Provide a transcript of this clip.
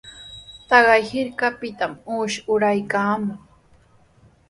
Taqay hirkapitami uusha uraykaamun.